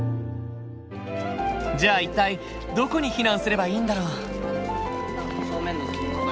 じゃあ一体どこに避難すればいいんだろう？